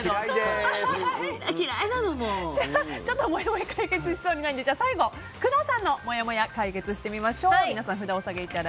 もやもや解決しそうにないので最後、工藤さんのもやもや解決しましょう。